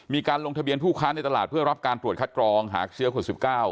มีการลงทะเบียนผู้ค้าในตลาดเพื่อรับการตรวจคัดกรองหาเชื้อคน๑๙